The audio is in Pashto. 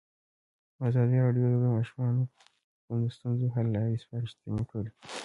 ازادي راډیو د د ماشومانو حقونه د ستونزو حل لارې سپارښتنې کړي.